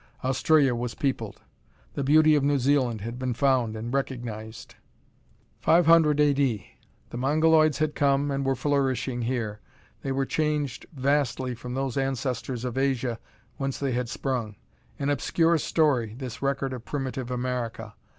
Australia was peopled. The beauty of New Zealand had been found and recognized. 500 A. D. The Mongoloids had come, and were flourishing here. They were changed vastly from those ancestors of Asia whence they had sprung. An obscure story, this record of primitive America!